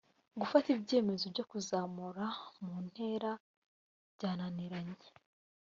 gufata ibyemezo byo kuzamura mu ntera bananiranye.